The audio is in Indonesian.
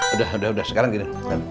udah udah sekarang gini